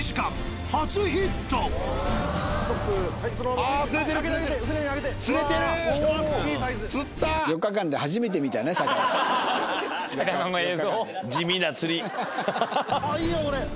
ああいいよこれ。